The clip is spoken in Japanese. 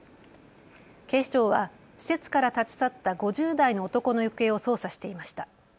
警視庁は施設から立ち去った５０代の男の行方を捜査していました。